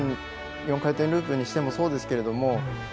４回転ループにしてもそうですけれども。